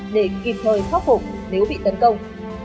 để kịp thời khóc phủng nếu bị tấn công